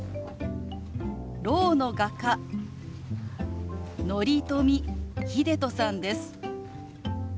ろうの画家乘富秀人さんです。